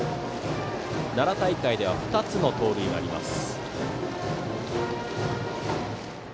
奈良大会では２つの盗塁があります。